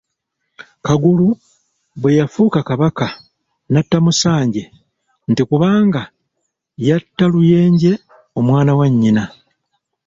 Kagulu bwe yafuuka Kabaka n'atta Musanje nti kubanga yatta Luyenje omwana wa nnyina.